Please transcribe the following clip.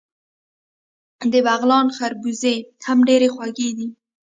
د بغلان خربوزې هم ډیرې خوږې دي.